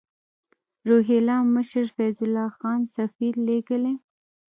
روهیله مشر فیض الله خان سفیر لېږلی.